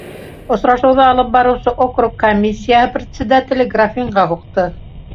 Осрашыуҙы алып барыусы округ комиссияһы председателе графинға һуҡты: